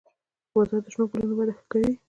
• باران د شنو ګلونو وده ښه کوي.